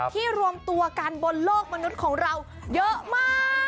รวมตัวกันบนโลกมนุษย์ของเราเยอะมาก